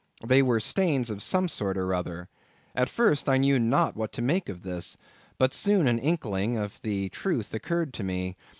They were stains of some sort or other. At first I knew not what to make of this; but soon an inkling of the truth occurred to me.